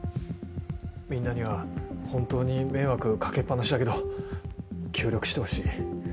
みんなには本当に迷惑掛けっ放しだけど協力してほしい。